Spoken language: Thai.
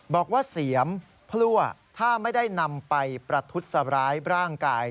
บอกว่าเสียมพลั่วถ้าไม่ได้นำไปประทุษร้ายร่างกาย